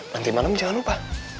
nanti malem jangan lupa